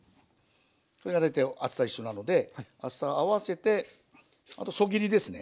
これが大体厚さ一緒なので厚さ合わせてあとそぎりですね。